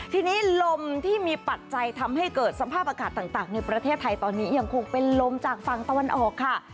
ทีนี้ลมที่มีปัจจัยทำให้เกิดสภาพอากาศต่างในประเทศไทยตอนนี้ยังคงเป็นลมจากฝั่งตะวันออกค่ะ